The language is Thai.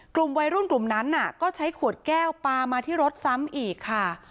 กลุ่มวัยรุ่นกลุ่มนั้นก็ใช้ขวดแก้วปลามาที่รถซ้ำอีกค่ะ